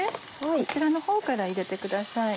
こちらのほうから入れてください。